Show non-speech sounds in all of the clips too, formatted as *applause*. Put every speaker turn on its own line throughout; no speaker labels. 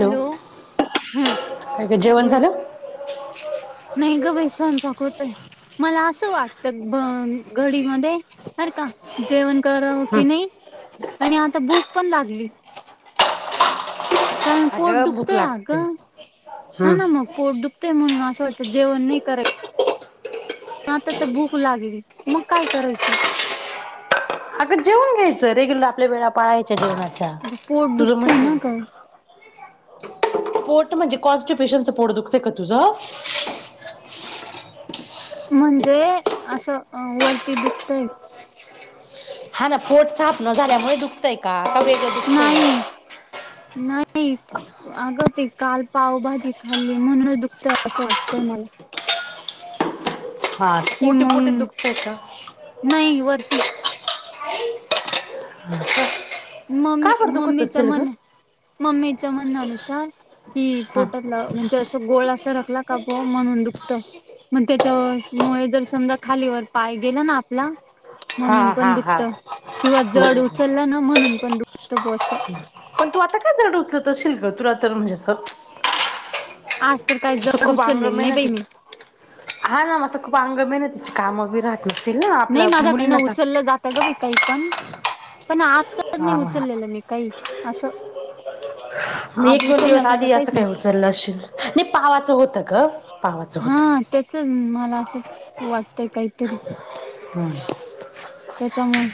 Hello! हम
काय ग जेवण
बोल.
झालं
नाही ग बाई स्वयंपाक होतय. मला असं वाटत ब घडीमध्ये बरं का जेवण. तर
हं.
की नाही आणि आता भूक पण लागली. कारण पोट
अगं भूक
दुखतंय आग.
लागते
ह
हं.
ना मग, पोट दुखतंय म्हणून आस आता जेवण नाही कराय आता तर भूक लागली, मग काय करायच.
आगं, जेऊन घ्यायचं. रेग्युलर आपल्या वेळा पाळायच्या. जेवणाच्या
पोट
तुझं
दुखतय
म्हन
ना ग
पोट म्हणजे कॉन्स्टिप्युशनच पोट दुखतय का तुझ? *unintelligible*
म्हणजे असं वरती दुखतय.
हा ना पोट साफ न झाल्यामुळे दुखतय का आता वेगळ दुखतय.
नाही नाही. अग ते काल पाव भाजी खाली म्हणून दुखत असं वाटतंय मला.
हा
कि
ओटीपोटी
मग
दुखतय. का?
नाही वरती
*unintelligible*
मम्मी
का बरं दुखत
मम्मीचा
असेल ग
म्हण मम्मीचा म्हणणानुसार. कि
हा
पोटातला म्हणजे असं गोळा असा रकला का म्हणून दुखत. मग त्याच्या मुळे जर समजा खालीवर पाय गेला ना आपला
हा
म्हणून पण
हा हा
दुखत किंवा जड
बरोबर
उचललं ना म्हणून पण दुखत ब असं.
पण तू आता काय जड उचलत असशील ग तुला तर म्हणजे अस.
आज तर काही
असं
जड
खूप
उचललेलं नाही
अंगमेहनत
बाई
आहे ना
मी
तिच हा ना मां खूप अंगमेहनत तिची कामं बी राहत. घतील ना
नाही
आपल्या
माझ्याकडनं
मुलींना सांग
उचललं जातं ग बाई काही पण पण आज तर नाही
हा
उचललेलं मी काही असं
मग एक
आज
दोन दिवस
उचलण्यासारखं
आधी
काहीच
असं काही
नाही.
उचललं असशील नाही पावाचं होत का.?
हा त्याच मला असं वाटतय काहीतरी. जमुन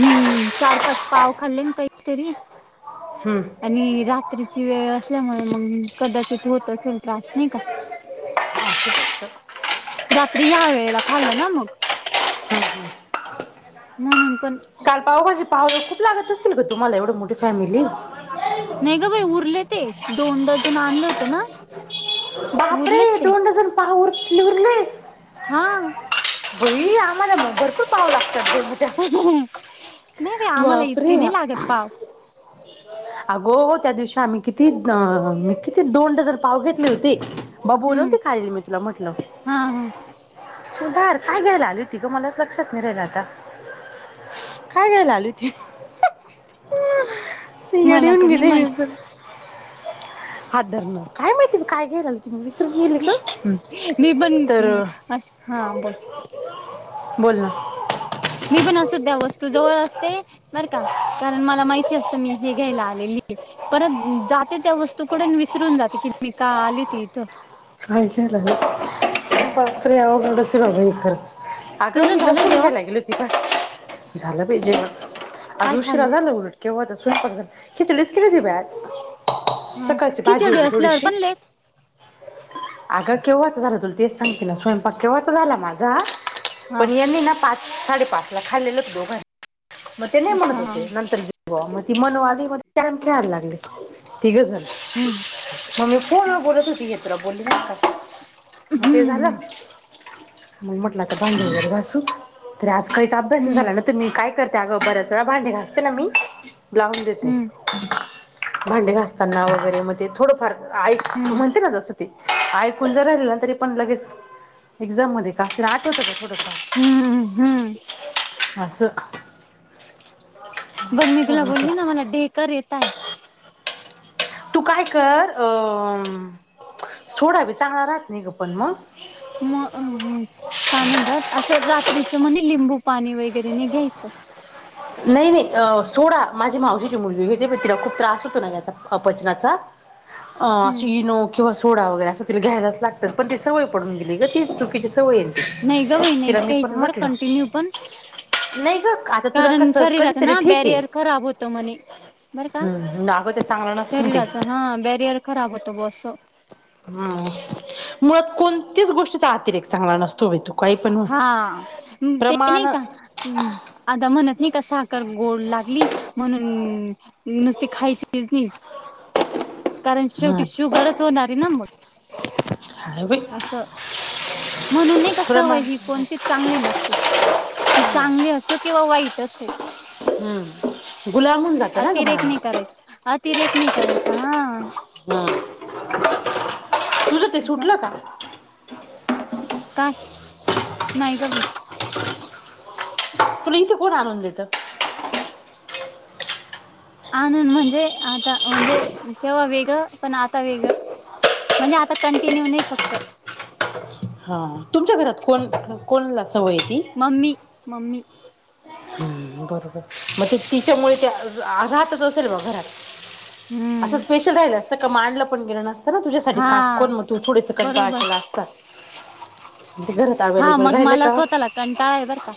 मी चार पाच पाव खाल्ले काहीतरी
हम्म
आणि रात्री ची वेळ असल्यामुळे मग कदाचित होत असेल त्रास नाही का.
*inaudible*
रात्री ह वेळेला खाल्लं ना मग. म्हणून पण.
पावभजी पाह खूप लागत असतील ग तुम्हाला एवढ मोठी फॅमिली.
नाही ग बाई उरले ते दोन डझन आणले होते ना. उरले
बापरे
ते.
दोन डझन पाव उरले.
हा.
बई आम्हाला मग भरपूर पाव लागतात जवझ्या.
नाही रे आम्हाला इतके नाही लागत पाव.
अगो त्या दिवशी आम्ही किती म किती दोन डझन पाव घेतले होते. बा बोल
हम्म
नवती खालील मी तुला म्हटलं.
हा हा
सुधार काय घ्यायला आली होती ग मलाच लक्षात नाही राहिल आता. काय घ्यायला आले होते. इडे
मला
येऊन
तर नाही
गेले मी
माहित
हादर काय माहिती काय घ्यायला तु. सग गेली ग
मी पण
तर.
अस हा बोल
बोल ना.
मी पण असं त्या वस्तू जवळ असते बर का कारण मला माहिती असतं मी.. हे घ्यायला आलेली परत जाते त्या वस्तूकडून विसरून जाते की मी का आली ती इथं.
*unintelligible* बाप रे अवघडच हे सर्व खरंच. अग
तुझं
मी
झालं
लसुन
जेवण
घ्यायला गेली होती. झालं बाई जेवण. आज
काय
उशिरा
खाल्लं
झाला उलट केव्हा स्वयंपाक झाला. खिचडीच केली होती बाई आज.
ह
सकाळची भाजी
खिचडी
होती
असल्यावर
थोडीशी.
पण लेट
अगं, केव्हाच झालं तुला तेच सांगतीना स्वयंपाक केंव्हाच झाला माझा.
हा
पण यांनी ना पाच साडेपाच ला खाल्लेलंच दोघांनी. मग ते नाही म्हणत
अच्छा हा
होते नंतर जेव्हा मग ती मनु आली मग कॅरम खेळायला लागले. तिघेजण
हम्म
मग मी फोनवर बोलते होती, हे तुला बोलले नाही का? ते
हम्म
झालं. मग म्हटलं आता भांडे वगैरे घासू तरी आज काहीच अभ्यास नाही
हम्म
झाला ना तर मी का करते. त्या बरस वेळा भांडी घासते ना मी तर लावून देते.
हम्म
भांडे घासताना वगैरे म थोडंफार ऐक
हम्म
म्हणते ना जसं ते ऐकून ज राहिलं. त्या तरी पण लगेच एक्झाम मध्ये असे ना आठवत होत थोडस..
हम्म, हम्म..
अस..
बघ मी तुला बोलली ना मला डेकर येत आहे.
तू काय कर अ सोडा बी चांगला राहत नाही ग पण मग.. ह..
म काय म्हणतात असं रात्रीच म्हणे लिंबू पाणी वगैरे नाही घ्यायचं.
नाही, नाही सोडा माझी मावशीची मुलगी घेते बाई तिला खूप त्रास होतो ना याचा पचनाचा.. अ
हम्म
असशी इनो किंवा सोडा वगैरे असं तिला घ्यायलाच लागतात पण ती सवय पडून गेली ग ती चुकीची.. सवय आहे ती
नाही ग बाई! नाही
तिला
ग
मी पण
याच्यावरर
म्हटलं
कंटिन्यू पण..
नाही ग आता तुला
कारण
कसं
शरीराच
कधीतरी
ना
ठीक
बॅरियर
आहे
खराब होत म्हणे बर का..
हम्म अगं ते चांगलं नसत ना ते
शरीराच हा बॅरियर खराब होतं हा असा.
हम मुळात कोणत्याच गोष्टीचा अतिरेक चांगला नसतो बाई तो.
हा, ते नाही का आता म्हणत नाही गोड लागली. म्हणून नुसते खायचीच नाही. कारण
हम्म
शेवटी शुगरच होणारी ना मग.
काय बाई
असं म्हणून कस.
प्रमाण
ही कोणती चांगली नसते ती चांगली असो किंवा वाईट असो.
हम्म.. गुलाम होऊन जात ना ग
अतिरेक नाही
माणूस
करायचा अतिरेक नाही करायचा हा.
हम्म. तुझं ते सुटलं का.
काय नाही का गं बाई!
तुला इथे कोण आणून देत?
आणून म्हणजे आता म्हणजे तेव्हा वेगंळ पण आता वेगळं.. म्हणजे आता कंटिन्यू नाही फक्त..
हा तुमच्या घरात कोण कोण ला..
मम्मी ममी.
हम्, बरोबर मग ते तिच्यामुळे ते राहतच असेल बघ घरात. असं
हम्म
स्पेशल राहिलं असतं तर मग आणलं पण नसतं केलं. ना तुझ्यासाठी
हा
कास कोण मग तू थोडे स कंटाळला
बरोबर
केला असता. ते घरात
हा,
अवेलेबल
मग
राहिलं
मला
का
स्वतःला कंटाळा आहे बर का.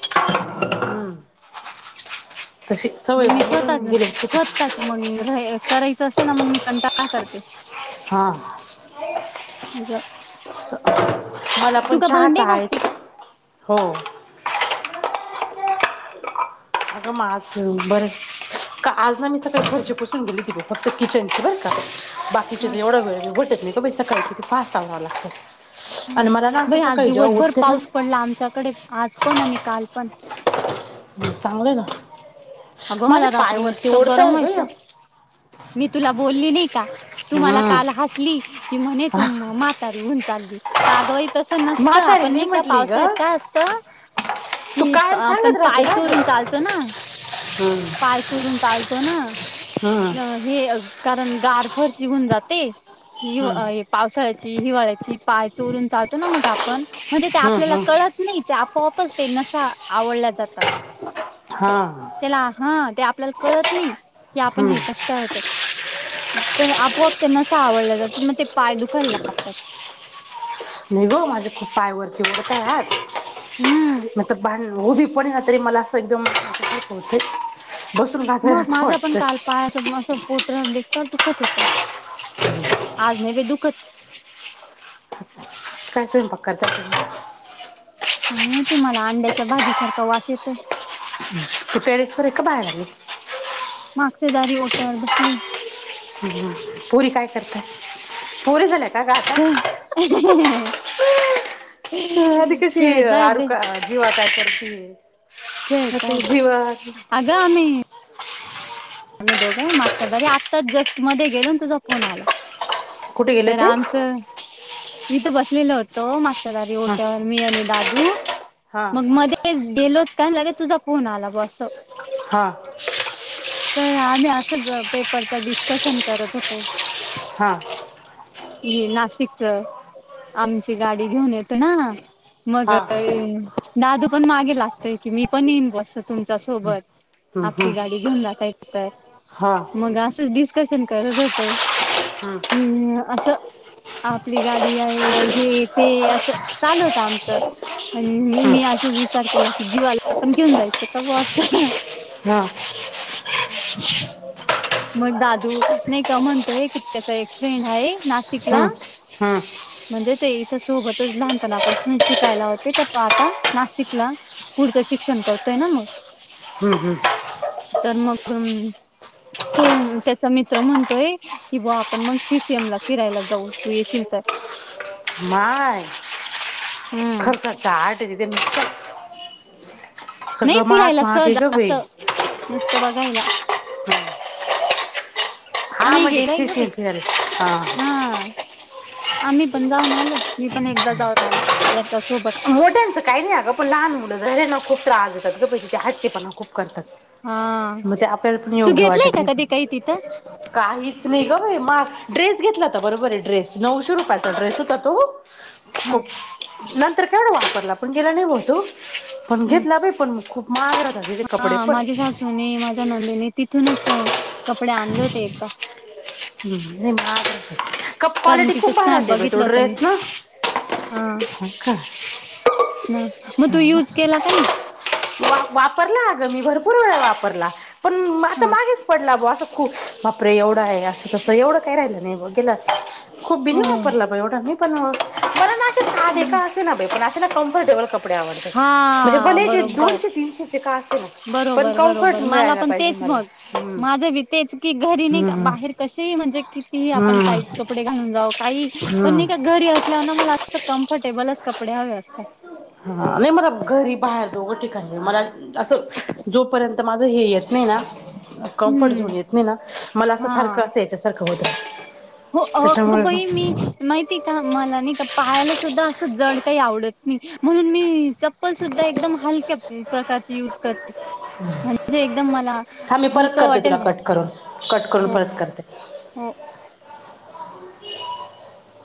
हम्म, तशी
मग
सवय
मी स्वतःच
मोडून गेली असते ती.
स्वतःच मग करायचं असेंल ना मग मी कंटाळा करते.
हा.
असं.
मला
तू
पण
का
चहाच
भांडे
आहे.
घासते का
हो. ! अगं, माझ बरस का आज ना मी सकाळ
बरं.
घरचे पुसून गेली ती बाई फक्त.. किचनची बर कर बाकीची
हा
तर एवढा वेळघडत नाही का बा सकाळीिती फास्ट आवावं लागतं आणि मला
हम्
ना असं
बई आज
सकाळी जेव्हा
दिवसभर
उठते
पाऊस
ना
पडला आमच्याकडे आज पण आणि काल पण
चांगलं ना
अगं
माझ्या
मला रात्री
पायवररती
नुसतं गरम
ओढतय गय
व्हायचं मी तुला बोलली नाही का तुमला काल
हम्म
हसली की म्ह त मातारी ऊन चालली तर आगवाई तस नसत
म्हातारी
आपण नाही का
म्हटली ग
पावसा य का असत
तू
कि
कायम
आपण
सांगत राहते
पाय
ना ग
चोरून चालतो ना
हम्म
पाय चुरून चालतो
हम्म
ना हे कारण गार फर शिघून जाते
हम्म
ह पावसाळ्याची हिवाळ्याची पाय चोरून चालतो ना मग आपण म्हणजे ते आपल्याला
हम्म
कळत नाही ते आपोआपच ते नशा आवडल्या जातात त्याला
हां
हा ते आपल्याला कळत नाही की आपण
हम्म
हे कस करत तर आपोआप त्यांना अस आवडलं जात म ते पाय दुखायल लागतात.
पाय वरती वडत
हम्म
आहात मी तर भांड री पण ह्या तरी मला असं एकदम होते बसून घासाय
मग
असं
माझा पण
वाटतं
काल पायाचं पोटऱ्या आणि ते का दुखत होत्या आज मे बी दुखत
काय स्वयंपाक करताय.
काय माहिती मला अंड्याच्या भाजी सारखा वाश येतोय.
तू टेरेस वर ये का बाहेर ये.
मागच्यादारी ओठर बसली.
पोरी काय करतय पोरी झाल्या का ग आता
*unintelligible*
आधी कशी
खेळताय
आर
ते
जीवात करती.
खेळताय अगं आम्ही
*unintelligible*
आम्ही दोघं ना मागच्या दरी आत्ताच जस्ट मध्ये गेलो तुझा फोन आला.
कुठे गेले
तर
ते
आमचं इीथ बसलेल होतो मागच्या घरी
हा
ओट्यावर मी आणि दादा.
हा
*inaudible* मग मध्ये गेलोच का लगे तुझा फोन आला बॉ अस.
हा. *unintelligible*
पेपरचा डिस्कशन करत होतो.
हा.
ह नाशिकच आमची गाडी घेऊन येतो ना मग
हा
दादू पण मागे लागतय की मी पण येईन बॉ अस तुमच्या सोबत
हम्म
आपली
हम्म
गाडी घेऊन जाता येत तर
हा
मग असंच डिस्कशन करत होतो. हम्म. *unintelligible* असं आपली गाडी आहे हे ते असं चाल होत आमचं आणि
हम्म
मी असाच विचार केला की जीवाला पण घेऊन जायचं का बॉ असं.
हा.
*unintelligible* मग दादू नाही का म्हणतोय की त्याचा एक फ्रेंड आहे नाशिकला
हा.
म्हणजे ते इथेच सोबत लहान पणा पासूनच शिकायला होते तर तो आता नाशिकला पुढचं शिक शिक्षण करतोय ना मग.
हम्म हम्म.
तर मग तो त्याचा मित्र म्हणतोय की बा आपण मग सी सीएम ला फिरायला जाऊ तू येशील तर.
माय
हम्म
खर्च चा आट ये तिथ ते.
नाही फिरायला सहज अस नुसतं बघायला.
हा
आम्ही
म्हणजे
गेलोय
सी
ग बाई
सी फिरायला
हा. आम्ही पण जाऊन आलोय मी पण एकदा जाऊन आली या
मोठयाचं काही नाही अग पण लहान मुलं झाले ना खूप त्रास येतात ग तिथे हट्टीपणा खूप करतात
हा
मग ते आपल्याला पण
तू
योग्य
घेतलाय
वाटत
का
नाही
कधी काही तिथं
पण काहीच नाही ग बाई महाग ड्रेस घेतला हो बरोबर आहे ड्रेस नऊशे रुपयाचा ड्रेस होता तो खूप नंतर एवढा वापरला पण गेला नाहीत पण
ह
घेतला पण खूप महाग राहतात त्याचे
हा
कपडे पण
माझ्या सासून ने माझ्या नंदीने तिथूनच कपडे आणले होते एकदा.
हम्म, नाही महाग राहतात कप
कारण
क्वालिटी
तिच
खूप भारी
स्नॅप
राहते बाई तो
बघितलं होत मी
ड्रेस ना हा
हा.
का?
ह मग तू
चांगला
युज केला का नाही.
वापरला अगं मी भरपूर वेळा वापरला पण आता
हा
मागेच पडला बा अस. खूप बापरे एवढं आहे असं तसं एवढं काय राहिलं नाही ब गेला. खूप बी वापरला बा एवढा मी पण मला ना आधीका असेना पण असे ना कम्फर्टेबल कपडे. आवडतात म्हणजे
हा
भले ते
बरोबर
दोनशे, तीनशे का असेना पण
बरोबर
कमफर्ट
बरोबर मला
मिळायला
पण तेच
पाहिजे. मला
मग
हम्म
माझं बी तेच ते घरी नाही का
हम्म
बाहेर कसेही म्हणजे कितीही आपण
हम्म
टाईट कपडे घालून जाऊ काही
हम्म
पण का घरी असल्या मला अस कम्फर्टेबलच कपडे हवे असतात.
नाही मला घरी बाहेर दोघं ठिकाणी मला असं जोपर्यंत माझ हे येत नाही ना. कम्फर्ट झोन
हम्म
येत नाही ना मला असं
हा
सारखं असं याच्यासारखं होत.
हो अ बाई मी माहिती का मला नाही का पाहायला सुद्धा अस जड काही आवडत नाही म्हणून मी चप्पल सुद्धा एकदम हलक्या प्रकारची यूज करते. म्हणजे एकदम मला.
थांब मी परत
हलकं
करते
वाटेल
तुला
बघ
कट करून कट करून
हो
परत करते.
हो
*inaudible*